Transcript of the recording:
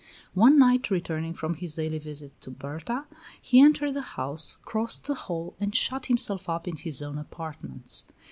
One night, returning from his daily visit to Berta, he entered the house, crossed the hall, and shut himself up in his own apartments.